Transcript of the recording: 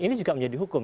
ini juga menjadi hukum